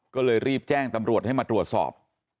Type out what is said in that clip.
ก็เลยรีบแจ้งตำรวจให้มาตรวจสอบ